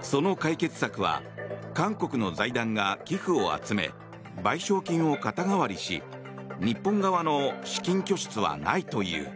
その解決策は韓国の財団が寄付を集め賠償金を肩代わりし日本側の資金拠出はないという。